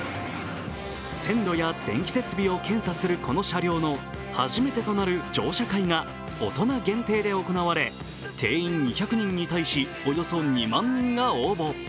線路や電気設備を検査するこの車両の初めてとなる乗車会が大人限定で行われ定員２００人に対し、およそ２万人が応募。